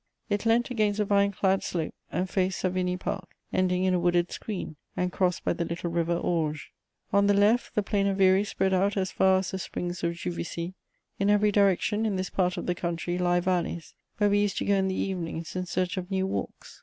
it leant against a vine clad slope, and faced Savigny Park, ending in a wooded screen, and crossed by the little River Orge. On the left, the plain of Viry spread out as far as the springs of Juvisy. In every direction, in this part of the country, lie valleys, where we used to go in the evenings in search of new walks.